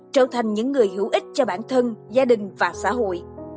trở thành những người hữu ích cho bản thân gia đình và xã hội